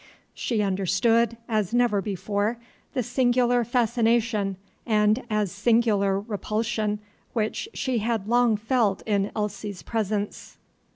She understood, as never before, the singular fascination and as singular repulsion which she had long felt in Elsie's presence.